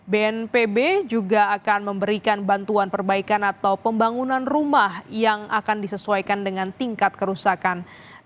bnpb juga akan memberikan bantuan perbaikan atau pembangunan rumah yang akan disesuaikan dengan tingkat kerusakan